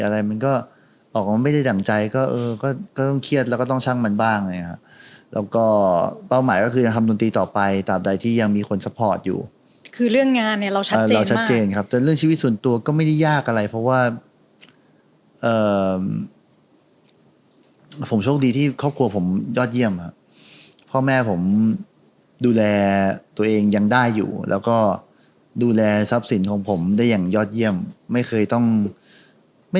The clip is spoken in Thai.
หยุดไว้แค่นั้นโดยในผู้คนส่วนใหญ่ซึ่งผมไม่ได้โทษเขานะ